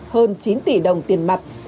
hơn chín tỷ đồng tiền mặt